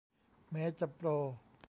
แม้จะโปร